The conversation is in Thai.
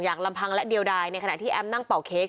ลำพังและเดียวดายในขณะที่แอมนั่งเป่าเค้ก